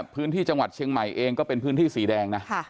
พื้นที่จังหวัดเชียงใหม่เองก็เป็นพื้นที่สีแดงนะ